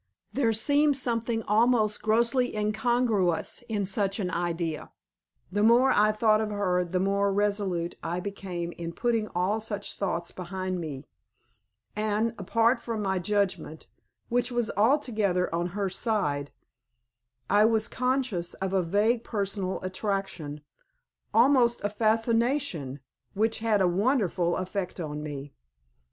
There seemed something almost grossly incongruous in any such idea. The more I thought of her the more resolute I became in putting all such thoughts behind me. And, apart from my judgment, which was altogether on her side, I was conscious of a vague personal attraction, almost a fascination, which had a wonderful effect on me.